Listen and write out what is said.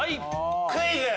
クイズ！